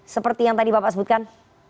seperti yang tadi bapak sebutkan